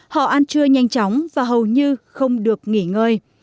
họ ăn trưa nhanh chóng và hầu như không được nghỉ ngơi